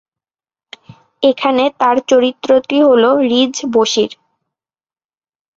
এখানে তার চরিত্রটি হল রিজ বশির।